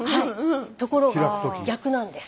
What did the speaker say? ところが逆なんです。